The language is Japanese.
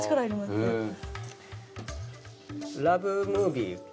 ラブムービー